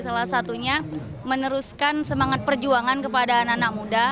salah satunya meneruskan semangat perjuangan kepada anak anak muda